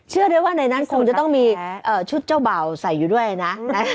เชื่อได้ว่าในนั้นคงจะต้องมีชุดเจ้าบ่าวใส่อยู่ด้วยนะ